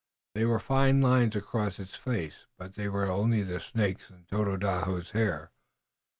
There were fine lines across its face, but they were only the snakes in Tododaho's hair.